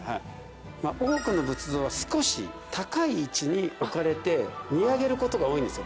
多くの仏像は少し高い位置に置かれて見上げることが多いんですよ。